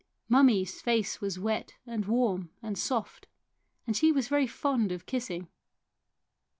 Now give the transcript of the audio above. Mummie's face was wet and warm and soft, and she was very fond of kissing.